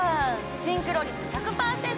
シンクロ率１００％！